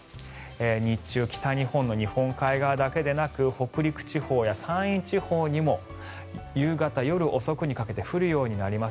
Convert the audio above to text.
日中、北日本の日本海側だけでなく北陸地方や山陰地方にも夕方、夜遅くにかけて降るようになります。